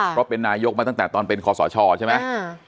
เพราะเป็นนายกมาตั้งแต่ตอนเป็นคอสชใช่ไหม